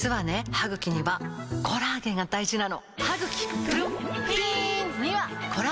歯ぐきにはコラーゲンが大事なの！